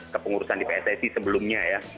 kepengurusan di pssi sebelumnya